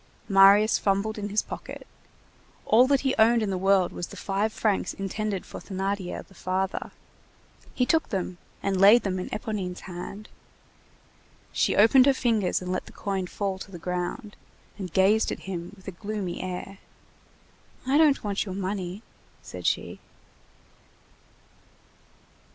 Marius fumbled in his pocket. All that he owned in the world was the five francs intended for Thénardier the father. He took them and laid them in Éponine's hand. She opened her fingers and let the coin fall to the ground, and gazed at him with a gloomy air. "I don't want your money," said she.